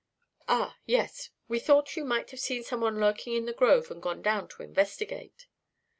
"Ah yes we thought you might have seen some one lurking in the grove and gone down to investigate."